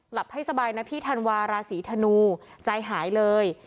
หลับให้สบายนะพี่ธันวาราศีธนูใจหายเลย